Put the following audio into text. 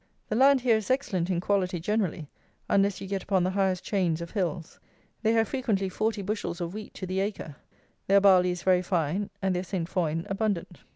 The land here is excellent in quality generally, unless you get upon the highest chains of hills. They have frequently 40 bushels of wheat to the acre. Their barley is very fine; and their Saint foin abundant.